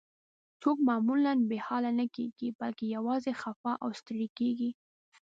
څوک معمولاً بې حاله نه کیږي، بلکې یوازې خفه او ستړي کیږي.